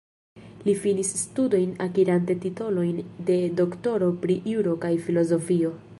Li finis studojn akirante titolojn de doktoro pri juro kaj filozofio.